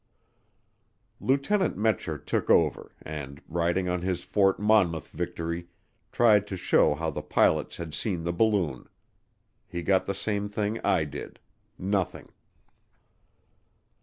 Lieutenant Metscher took over and, riding on his Fort Monmouth victory, tried to show how the pilots had seen the balloon. He got the same thing I did nothing.